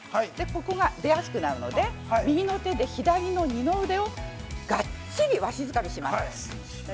ここが出やすくなるので、右の手で左の二の腕をがっちりわしづかみします。